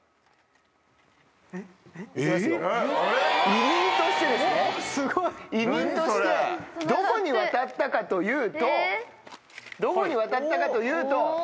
移民として移民としてどこに渡ったかというとどこに渡ったかというと。